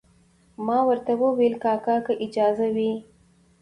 ما ورته وویل کاکا که اجازه وي.